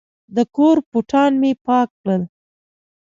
د کور بوټان مې پاک کړل.